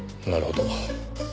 なるほど。